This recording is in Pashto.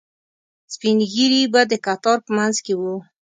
سپینږیري به د کتار په منځ کې وو.